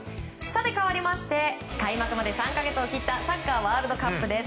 かわりまして開幕まで３か月を切ったサッカーワールドカップです。